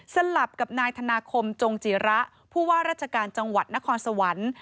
สลับกับนายธนาคมจงจิระผู้ว่าราชการจังหวัดนครสวรรค์